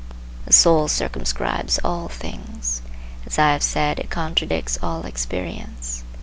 The soul circumscribes all things. As I have said, it contradicts all experience.